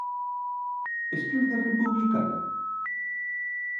Esquerda Republicana?